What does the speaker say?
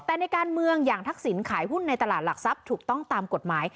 แต่ในการเมืองอย่างทักษิณขายหุ้นในตลาดหลักทรัพย์ถูกต้องตามกฎหมาย